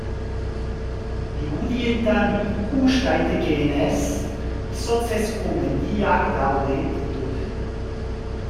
Irudietan ikus daitekeenez, izotzezko mendiak daude Plutonen.